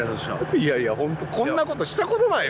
いやいやホントこんなことしたことないよ